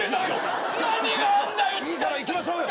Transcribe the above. いいから行きましょうよ。